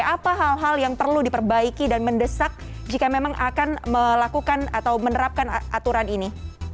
apa hal hal yang perlu diperbaiki dan mendesak jika memang akan melakukan atau menerapkan aturan ini